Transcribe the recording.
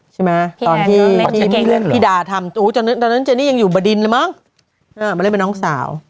ตอนที่พี่ดาทำตอนนั้นเจนี่ยังอยู่บดินเลยมั้งมาเล่นเป็นน้องสาว